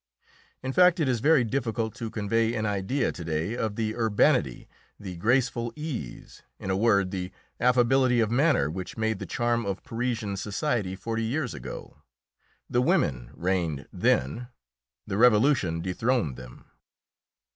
In fact, it is very difficult to convey an idea to day of the urbanity, the graceful ease, in a word the affability of manner which made the charm of Parisian society forty years ago. The women reigned then; the Revolution dethroned them.